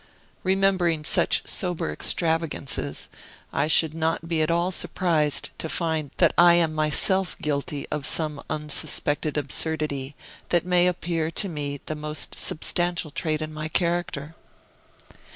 Remembering such sober extravagances, I should not be at all surprised to find that I am myself guilty of some unsuspected absurdity, that may appear to me the most substantial trait in my character.